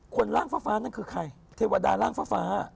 ร่างฟ้านั่นคือใครเทวดาร่างฟ้า